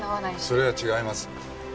それは違います。